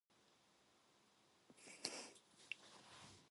영숙은 절대로 자기를 사랑하여 주지 않는 것이라 하였다.